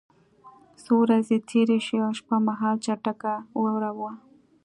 څو ورځې تېرې شوې او شپه مهال چټکه واوره وه